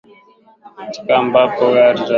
ambapo rais wa zamani wa afrika kusini tabo mbeki